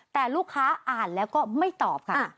แต่ลูกค้าอ่านแล้วก็ไม่ตอบค่ะ